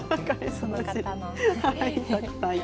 その方の。